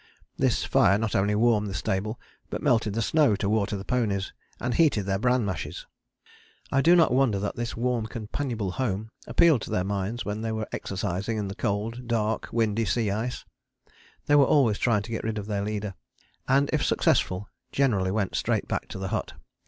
This fire not only warmed the stable, but melted the snow to water the ponies and heated their bran mashes. I do not wonder that this warm companionable home appealed to their minds when they were exercising in the cold, dark, windy sea ice: they were always trying to get rid of their leader, and if successful generally went straight back to the hut.